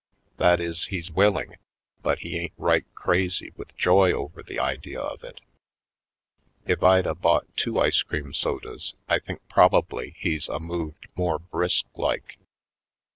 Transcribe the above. That is, he's willing, but he ain't right crazy with joy over the idea of it. If I'd a bought two ice cream sodas I think probably he's a moved more brisk like.